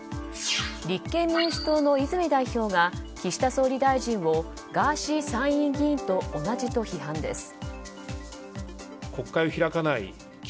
立憲民主党の泉代表が岸田総理大臣をガーシー参院議員と同じと批判です。